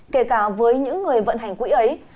kể cả với những người vận hành quỹ ấy